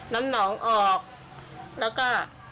น้ำหนองออกแล้วก็